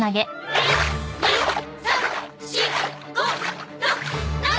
１２３４５６７。